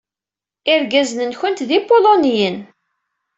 Irgazen-nwent d ipuluniyen.